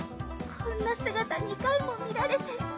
こんな姿２回も見られて。